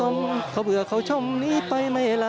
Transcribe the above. และก็มีการกินยาละลายริ่มเลือดแล้วก็ยาละลายขายมันมาเลยตลอดครับ